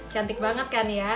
cantik banget kan ya